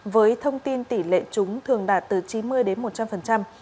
với thông tin tỷ lệ chúng thường đạt từ chín mươi đến một trăm linh